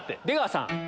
出川さん